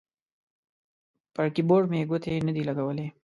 پر کیبورډ مې ګوتې نه دي لګولي